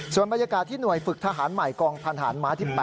ส่วนบรรยากาศที่หน่วยฝึกทหารใหม่กองพันธาลม้าที่๘